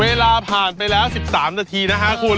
เวลาผ่านไปแล้ว๑๓นาทีนะฮะคุณ